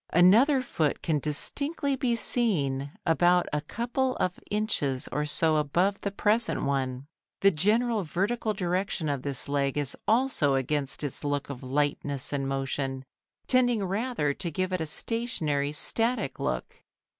Another foot can distinctly be seen about a couple of inches or so above the present one. The general vertical direction of this leg is also against its look of lightness and motion, tending rather to give it a stationary, static look.